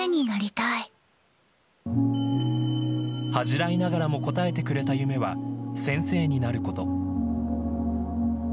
恥じらいながらも答えてくれた夢は先生になること。